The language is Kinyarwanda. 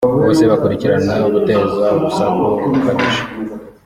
bose bakurikiranweho guteza urusaku rukabije